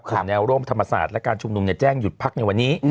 ตรงแรกโลมถมศาสตร์และการชุมนุมเนี่ยแจ้งหยุดพักในวันนี้